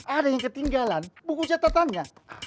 ada yang ketinggalan buku catatannya